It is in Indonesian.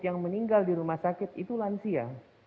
yang meninggal di rumah sakit itu lansia